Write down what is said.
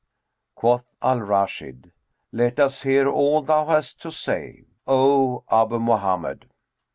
Quoth Al Rashid, "Let us hear all thou hast to say, O Abu Mohammed!"